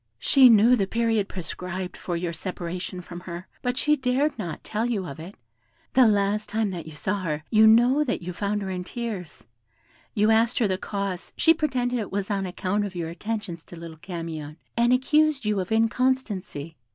She knew the period prescribed for your separation from her, but she dared not tell you of it. The last time that you saw her, you know that you found her in tears; you asked her the cause, she pretended it was on account of your attentions to little Camion, and accused you of inconstancy.